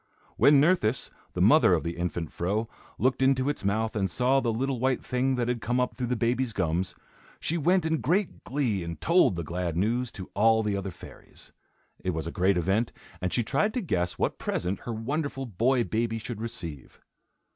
When Nerthus, the mother of the infant Fro, looked into its mouth and saw the little white thing that had come up through the baby's gums, she went in great glee and told the glad news to all the other fairies. It was a great event and she tried to guess what present her wonderful boy baby should receive.